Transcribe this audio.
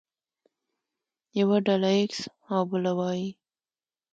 يوه ډله ايکس او بله وايي.